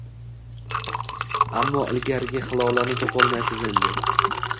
Ammo ilgarigi Hilolani topolmaysiz endi